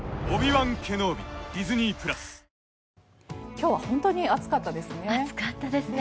今日は本当に暑かったですね。